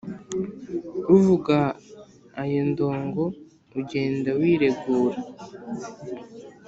uvuga aya ndongo ugenda wiregura